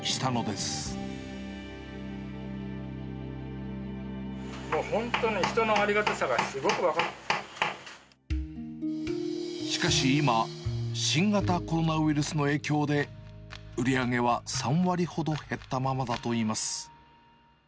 もう本当に、人のありがたさしかし今、新型コロナウイルスの影響で、売り上げは３割ほど減ったままだといいます。